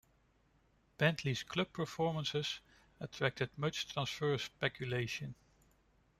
Bentley's club performances attracted much transfer speculation.